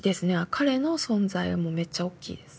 彼の存在はもうめっちゃ大きいです